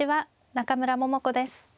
中村桃子です。